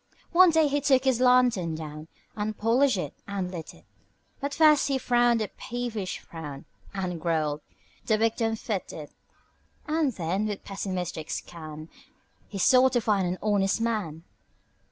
One day he took his lantern down And polished it and lit it But first he frowned a peevish frown And growled: "The wick don't fit it." And then, with pessimistic scan, He sought to find an honest man.